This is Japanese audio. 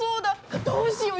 どうしよう。